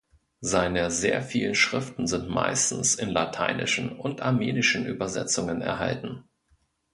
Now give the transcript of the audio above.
Seine sehr vielen Schriften sind meistens in lateinischen und armenischen Übersetzungen erhalten.